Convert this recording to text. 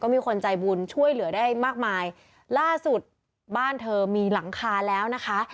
มีคนใจบุญช่วยเหลือได้มากมายล่าสุดบ้านเธอมีหลังคาแล้วนะคะ